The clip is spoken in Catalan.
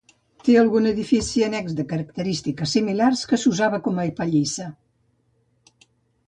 Té algun edifici annex de característiques similars que s'usava com a pallissa.